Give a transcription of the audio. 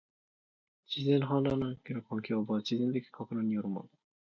自然の氾濫地の環境は、自然的撹乱によるものだ